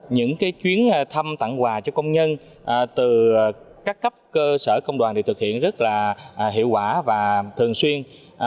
những chuyến thăm tặng quà cho công nhân từ các cấp cơ sở công đoàn được thực hiện rất là hiệu quả và thường xuyên